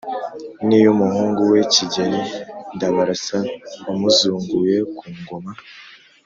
n’iy’umuhungu we Kigeli Ndabarasa wamuzunguye ku ngoma.